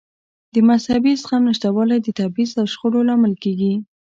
د مذهبي زغم نشتوالی د تبعیض او شخړو لامل کېږي.